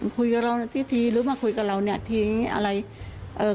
คุยกับเราทีทีหรือมาคุยกับเราทีนี้อะไร